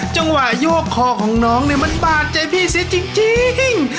จังหวะโยกคอของน้องเนี่ยมันบ้าใจพี่ซิจริง